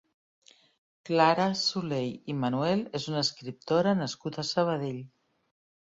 Clara Soley i Manuel és una escriptora nascuda a Sabadell.